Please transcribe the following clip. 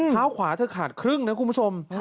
เท้าขวาเธอขาดครึ่งนะคุณผู้ชม